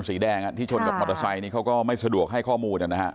สีแดงที่ชนกับมอเตอร์ไซค์นี้เขาก็ไม่สะดวกให้ข้อมูลนะฮะ